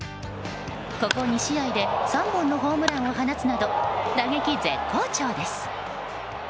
ここ２試合で３本のホームランを放つなど打撃絶好調です。